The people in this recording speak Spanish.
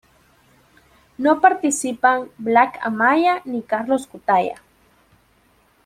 No participan Black Amaya ni Carlos Cutaia.